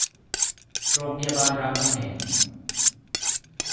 โรงพยาบาลรามคำแหง